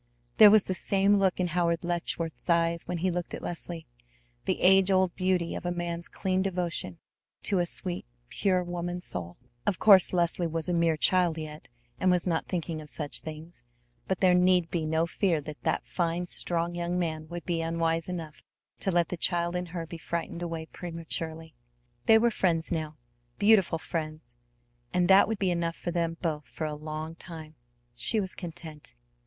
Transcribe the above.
There was the same look in Howard Letchworth's eyes when he looked at Leslie, the age old beauty of a man's clean devotion to a sweet, pure woman soul. Of course Leslie was a mere child yet, and was not thinking of such things; but there need be no fear that that fine, strong young man would be unwise enough to let the child in her be frightened away prematurely. They were friends now, beautiful friends; and that would be enough for them both for a long time. She was content.